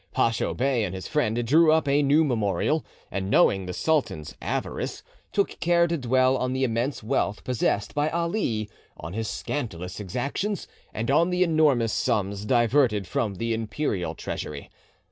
Pacho Hey and his friend drew up a new memorial, and knowing the sultan's avarice, took care to dwell on the immense wealth possessed by Ali, on his scandalous exactions, and on the enormous sums diverted from the Imperial Treasury.